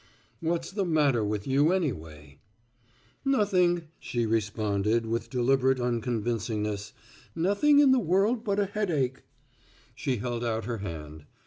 "What's the matter with you, anyway?" "Nothing," she responded with deliberate unconvincingness, "nothing in the world, but a headache." She held out her hand.